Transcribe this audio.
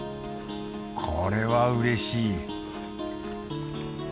これはうれしい。